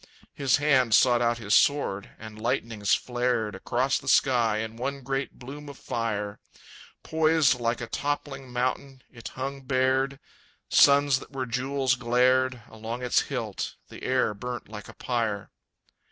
His hand sought out his sword, and lightnings flared Across the sky in one great bloom of fire. Poised like a toppling mountain, it hung bared; Suns that were jewels glared Along its hilt. The air burnt like a pyre.